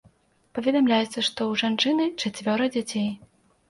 Паведамляецца, што ў жанчыны чацвёра дзяцей.